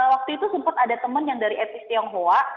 waktu itu sempat ada temen yang dari etis tionghoa